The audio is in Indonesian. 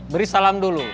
beri salam dulu